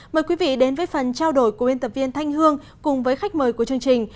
mời quý vị đến với phần trao đổi của biên tập viên thanh hương cùng với khách mời của chương trình